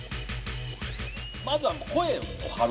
まずは声を張る。